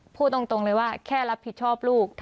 พูดตรงเลยว่าแค่รับผิดชอบลูก